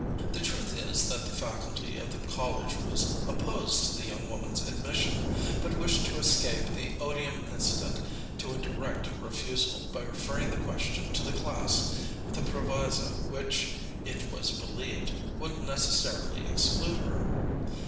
The truth is that the faculty of the college was opposed to the young woman's admission, but wished to escape the odium incident to a direct refusal by referring the question to the class with a proviso which, it was believed, would necessarily exclude her.